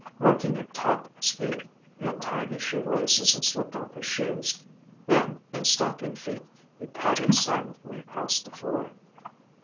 Working at top speed he untied his shoelaces and slipped off his shoes. Then, in stocking feet, he padded silently across the floor.